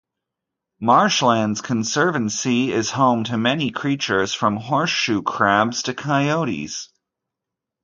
Marshlands Conservancy is home to many creatures from horseshoe crabs to coyotes.